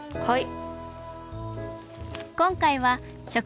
はい。